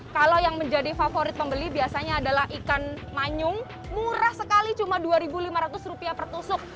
kalau yang menjadi favorit pembeli biasanya adalah ikan manyung murah sekali cuma rp dua lima ratus per tusuk